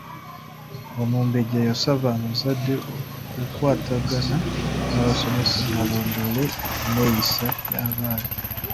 Omumbejja yasaba abazadde okukwatagana n’abasomesa balondoole enneeyisa y'abaana.